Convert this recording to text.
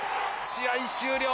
試合終了。